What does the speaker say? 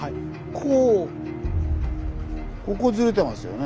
ここずれてますよね。